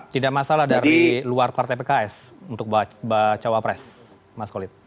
tidak masalah dari luar partai pks untuk bacawa pres mas kolit